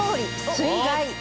水害。